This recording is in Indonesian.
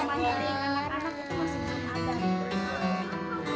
anak anak itu masih di atas